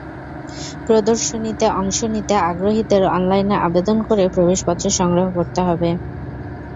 প্রদর্শনীতে অংশ নিতে আগ্রহীদের অনলাইনে আবেদন করে প্রবেশপত্র সংগ্রহ করতে হবে।